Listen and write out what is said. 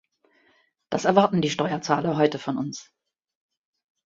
Das erwarten die Steuerzahler heute von uns.